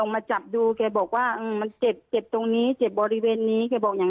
มันเจ็บตรงนี้เจ็บบริเวณนี้